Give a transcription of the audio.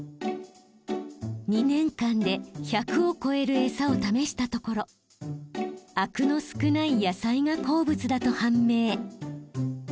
２年間で１００を超える餌を試したところあくの少ない野菜が好物だと判明。